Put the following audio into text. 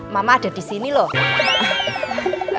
mama ada di sini loh